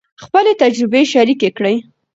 خپلې تجربې شریکې کړئ.